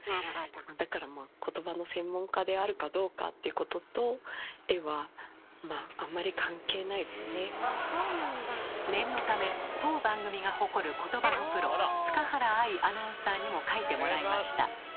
だからことばの専門家であるかどうかってことと念のため当番組が誇ることばのプロ塚原愛アナウンサーにも描いてもらいました。